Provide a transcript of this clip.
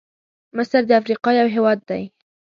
مصرد افریقا یو هېواد دی.